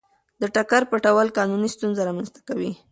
د ټکر پټول قانوني ستونزه رامنځته کوي.